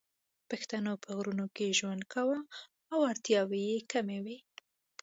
پښتنو په غرونو کې ژوند کاوه او اړتیاوې یې کمې وې